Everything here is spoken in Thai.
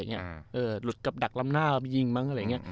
หลุดกับดักลำหน้ามายิงมั้งอะไรอย่างนี้